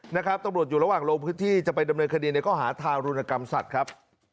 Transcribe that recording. ตำรวจอยู่ระหว่างลงพื้นที่จะไปดำเนินคดีในข้อหาทารุณกรรมสัตว์ครับ